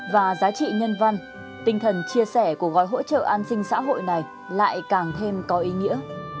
và giá trị nhân văn tinh thần chia sẻ của gói hỗ trợ an sinh xã hội này lại càng thêm có ý nghĩa